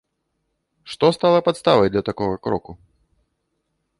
Што стала падставай для такога кроку?